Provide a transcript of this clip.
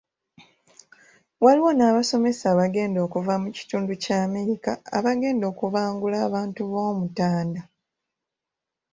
Waliwo n’abasomesa abagenda okuva mu kitundu kya Amerika abagenda okubangula abantu b’Omutanda.